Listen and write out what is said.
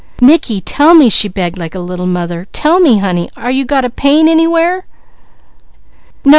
"Mickey, tell me," she begged, like a little mother. "Tell me honey? Are you got a pain anywhere?" "No!"